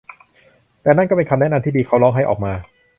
แต่นั่นก็เป็นคำแนะนำที่ดี เขาร้องไห้ออกมา